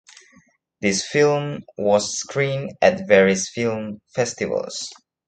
This film was screened at various film festivals.